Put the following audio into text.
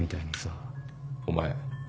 お前。